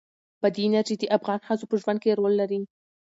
بادي انرژي د افغان ښځو په ژوند کې رول لري.